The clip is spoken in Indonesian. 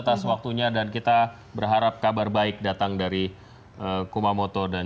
tapi tidak mungkin kita hanya membatasi wni